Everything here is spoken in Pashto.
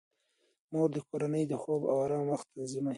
مور د کورنۍ د خوب او آرام وخت تنظیموي.